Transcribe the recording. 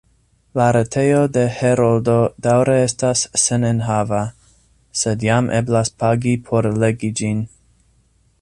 La retejo de Heroldo daŭre estas senenhava, sed jam eblas pagi por legi ĝin.